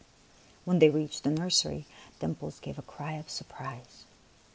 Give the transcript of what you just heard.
When they reached the nursery, Dimples gave a cry of surprise.